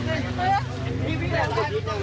มีพยาบาลไหม